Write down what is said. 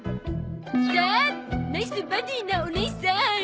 ３ナイスバディなおねいさん！